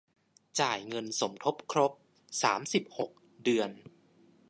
จ่ายเงินสมทบครบ สามสิบหก เดือน